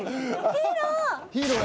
ヒーロー。